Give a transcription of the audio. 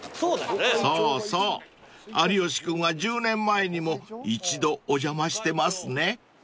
［そうそう有吉君は１０年前にも一度お邪魔してますね］